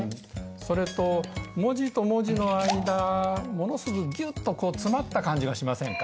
それと文字と文字の間ものすごいギュッと詰まった感じがしませんか？